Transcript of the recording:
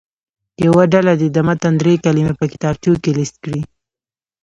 یوه ډله دې د متن دري کلمې په کتابچو کې لیست کړي.